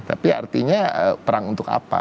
tapi artinya perang untuk apa